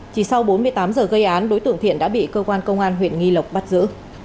chỉ sau bốn mươi tám giờ gây án đối tượng thiện đã bị cơ quan công an huyện nghi lộc bắt giữ